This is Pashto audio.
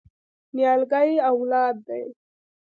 نیالګی اولاد دی؟